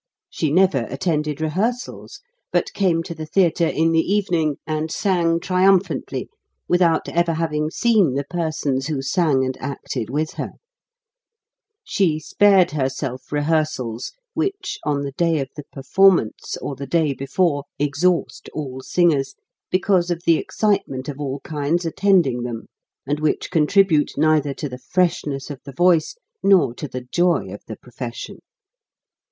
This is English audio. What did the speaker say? She never attended re hearsals, but came to the theatre in the evening and sang triumphantly, without ever having seen the persons who sang and acted with her. PRELIMINARY PRACTICE 15 She spared herself rehearsals which, on the day of the performance, or the day before, exhaust all singers, because of the excitement of all kinds attending them, and which contribute neither to the freshness of the voice nor to the joy of the profession.